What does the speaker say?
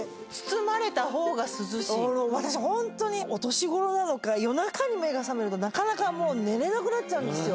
私ホントにお年頃なのか夜中に目が覚めるとなかなか寝れなくなっちゃうんですよ。